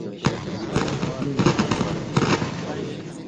ایک کھِن٘گیاؤ نھالُوں اېوں دُویُوں مہ